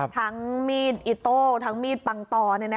ทั้งมีดอิโต้ทั้งมีดปังตอ